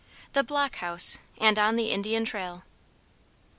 THE BLOCK HOUSE, AND ON THE INDIAN TRAIL.